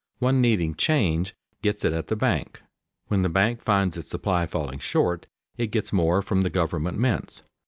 One needing "change" gets it at the bank; when the bank finds its supply falling short it gets more from the government mints.